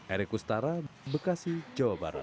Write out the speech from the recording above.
erik kustara bekasi jawa barat